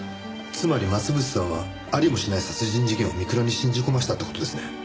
つまり増渕さんはありもしない殺人事件を美倉に信じ込ませたって事ですね。